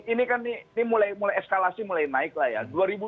ini kan ini mulai eskalasi mulai naik lah ya